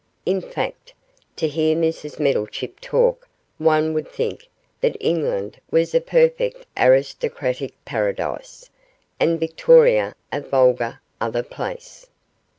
In fact, to hear Mrs Meddlechip talk one would think that England was a perfect aristocratic paradise, and Victoria a vulgar other place.